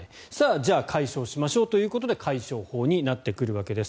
じゃあ解消しましょうということで解消法になってくるわけです。